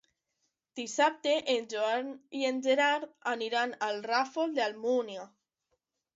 Dissabte en Joan i en Gerard aniran al Ràfol d'Almúnia.